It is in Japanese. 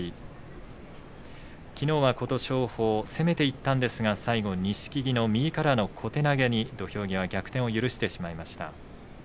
きのうは琴勝峰、攻めていったんですが最後、錦木の右からの小手投げに土俵際逆転を許してしまいました。